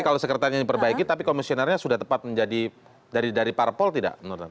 kalau sekretariatnya diperbaiki tapi komisionernya sudah tepat menjadi dari parpol tidak menurut anda